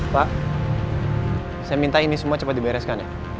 pak saya minta ini semua cepat dibereskan ya